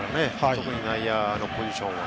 特に内野のポジションは。